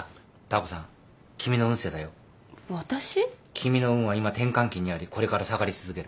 君の運は今転換期にありこれから下がり続ける。